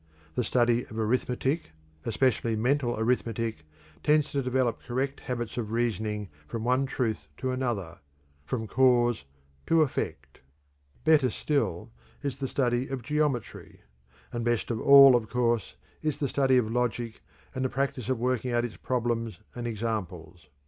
The study of arithmetic, especially mental arithmetic, tends to develop correct habits of reasoning from one truth to another from cause to effect. Better still is the study of geometry; and best of all, of course, is the study of logic and the practice of working out its problems and examples.